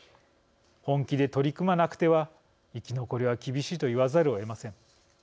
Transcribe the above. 本気で取り組まなくては生き残りは厳しいと言わざるをえません。